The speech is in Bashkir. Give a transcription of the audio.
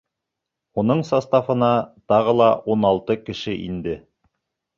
Уның составына тағы ла ун алты кеше инде.